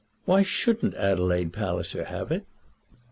Why shouldn't Adelaide Palliser have it?"